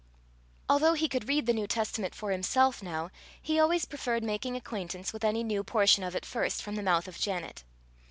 Although he could read the New Testament for himself now, he always preferred making acquaintance with any new portion of it first from the mouth of Janet.